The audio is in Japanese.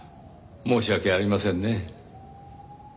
申し訳ありませんね。